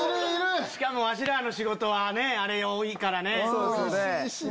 しかもわしらの仕事はあれ多いからね。